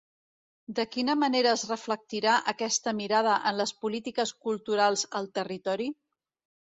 De quina manera es reflectirà aquesta mirada en les polítiques culturals al territori?